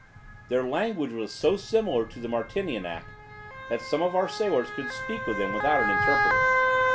Their language was so similar to the Martinianic, that some of our sailors could speak with them without an interpreter.